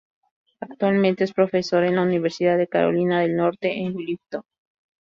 Actualmente es profesor en la Universidad de Carolina del Norte en Wilmington.